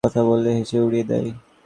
কথা বললে হেসে উড়িয়ে দেয়।